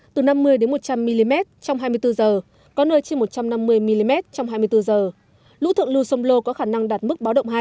từ năm mươi một trăm linh mm trong hai mươi bốn h có nơi trên một trăm năm mươi mm trong hai mươi bốn h lũ thượng lưu sông lô có khả năng đạt mức báo động hai